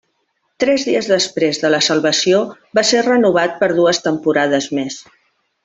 Tres dies després de la salvació, va ser renovat per dues temporades més.